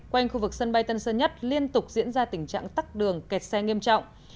quanh khu vực sân bay tân sơn nhất liên tục diễn ra tình trạng tắt đường kẹt xe nghiêm trọng